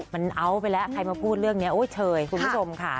มันเอาไปแล้วใครมาพูดเรื่องนี้เฉยคุณผู้ชมค่ะ